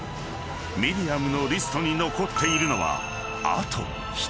［ミリアムのリストに残っているのは］